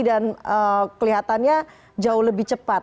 dan kelihatannya jauh lebih cepat